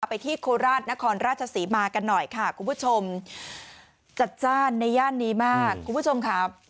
ไปที่โคราชนครราชศรีมากันหน่อยค่ะคุณผู้ชมจัดจ้านในย่านนี้มากคุณผู้ชมค่ะ